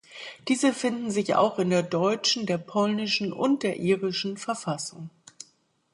Diese finden sich auch in der deutschen, der polnischen und der irischen Verfassung.